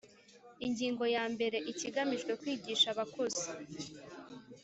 Igingo ya mbere Ikigamijwe kwigisha abakuze